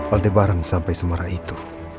aldebaran sampai semara itu